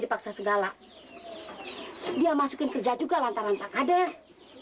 dipaksa segala dia masukin kerja juga lantaran tak kades